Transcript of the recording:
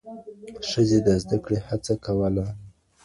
ښځې د زده کړې هڅه کوله.